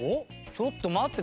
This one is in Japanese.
ちょっと待って。